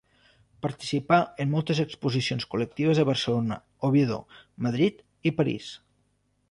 Participà en moltes exposicions col·lectives a Barcelona, Oviedo, Madrid i París.